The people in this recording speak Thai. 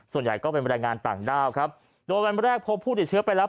ส่วนใหญ่ก็เป็นบรรยายงานต่างด้าวครับโดยวันแรกพบผู้ติดเชื้อไปแล้ว